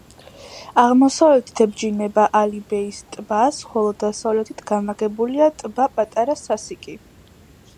აღმოსავლეთით ებჯინება ალიბეის ტბას, ხოლო დასავლეთით განლაგებულია ტბა პატარა სასიკი.